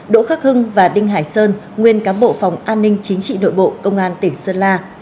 đỗ khắc hưng và đinh hải sơn nguyên cán bộ phòng an ninh chính trị nội bộ công an tỉnh sơn la